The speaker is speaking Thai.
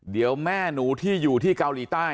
เดี๋ยวแม่หนูที่อยู่ที่เกาหลีใต้